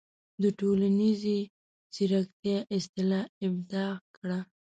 د"ټولنیزې زیرکتیا" اصطلاح ابداع کړه.